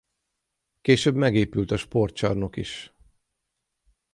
Később megépült a sportcsarnok is.